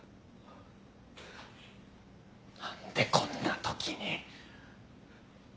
何でこんな時に。